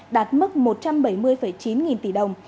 đạt mức một trăm bảy mươi chín nghìn tỷ đồng